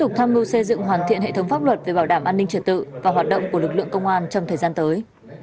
hoạt động của lực lượng công an trong thời gian tới